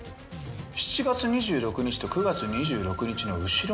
７月２６日と９月２６日の後ろ